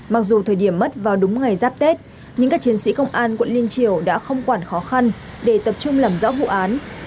mặc dù thời điểm mất vào đúng ngày giáp tết nhưng các chiến sĩ công an quận liên triều đã không quản khó khăn để tập trung làm rõ vụ án